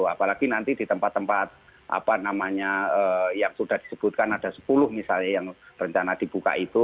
apalagi nanti di tempat tempat apa namanya yang sudah disebutkan ada sepuluh misalnya yang rencana dibuka itu